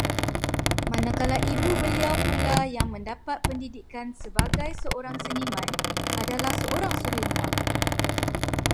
Manakala ibu beliau pula yang mendapat pendidikan sebagai seorang seniman, adalah seorang suri rumah